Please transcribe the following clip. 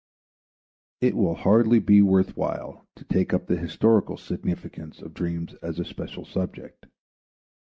It will hardly be worth while to take up the historical significance of dreams as a special subject.